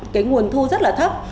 cái nguồn thu rất là thấp